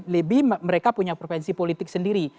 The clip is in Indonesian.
lebih mereka punya frevensi politik sendiri